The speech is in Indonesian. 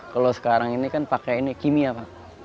kalo sekarang ini kan pake ini kimia bang